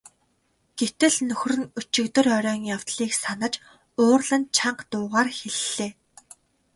Гэтэл нөхөр нь өчигдөр оройн явдлыг санаж уурлан чанга дуугаар хэллээ.